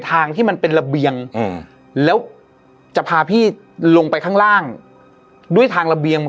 ทางที่มันเป็นระเบียงแล้วจะพาพี่ลงไปข้างล่างด้วยทางระเบียง